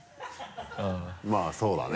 まぁそうだね。